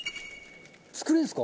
作れるんですか？